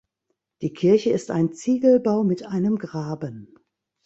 Die Kirche ist ein Ziegelbau mit einem Graben.